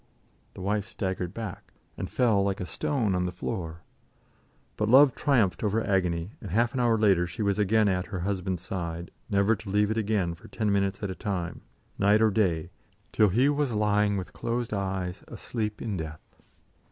The wife staggered back, and fell like a stone on the floor. But love triumphed over agony, and half an hour later she was again at her husband's side, never to leave it again for ten minutes at a time, night or day, till he was lying with closed eyes asleep in death.